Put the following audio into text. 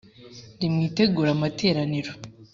nimwitegure amateraniro